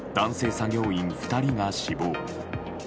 作業員２人が死亡。